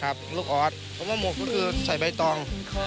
หมกฮวกก็คือใส่ใบตอง